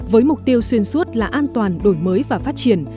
với mục tiêu xuyên suốt là an toàn đổi mới và phát triển